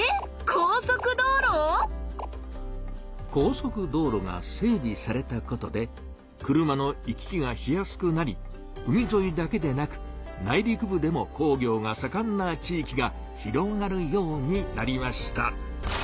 高速道路⁉高速道路が整びされたことで車の行き来がしやすくなり海ぞいだけでなく内陸部でも工業がさかんな地域が広がるようになりました。